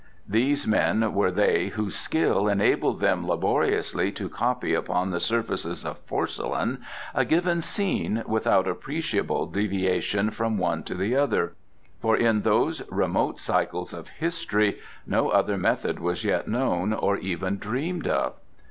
These men were they whose skill enabled them laboriously to copy upon the surfaces of porcelain a given scene without appreciable deviation from one to the other, for in those remote cycles of history no other method was yet known or even dreamed of.